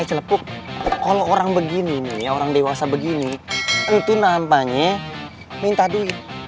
eh celepuk kalo orang begini nih orang dewasa begini itu namanya minta duit